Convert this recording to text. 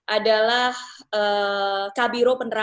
adalah kabiro pendidikan